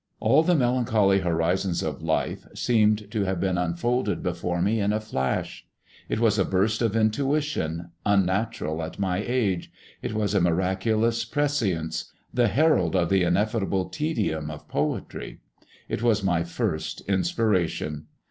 All the melancholy horizons of life seemed to have been unfolded before me in a flash. It was a burst of intuition, unnatural at my age; it was a miraculous prescience, the herald of the ineffable tedium of poetry; it was my first inspiration.